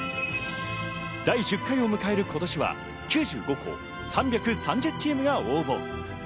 第１０回を迎える今年は９５校３３０チームが応募。